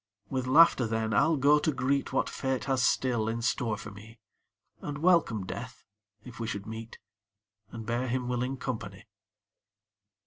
With laughter, then, I'll go to greet What Fate has still in store for me, And welcome Death if we should meet, And bear him willing company.